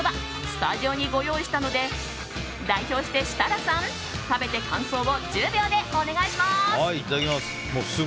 スタジオにご用意したので代表して設楽さん食べて感想を１０秒でお願いします。